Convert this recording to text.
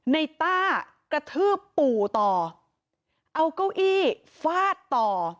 ต้ากระทืบปู่ต่อเอาเก้าอี้ฟาดต่อ